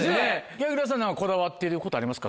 柳楽さんこだわってることありますか？